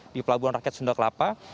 di pelabuhan rakyat sunda kelapa